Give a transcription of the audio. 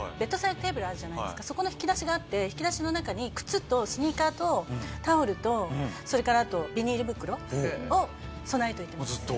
あるじゃないですかそこの引き出しがあって引き出しの中に靴とスニーカーとタオルとそれからあとビニール袋を備えておいてます。